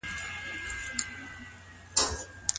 ولي د طلاق ورکوونکي څخه ډيري پوښتني نه کيږي؟